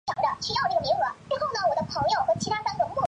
歌地亚在德国的一个富有的天主教家庭长大。